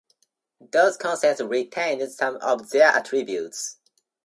Those concepts retained some of their attributes.